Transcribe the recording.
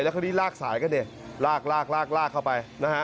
แล้วคนนี้ลากสายก็ได้ลากเข้าไปนะฮะ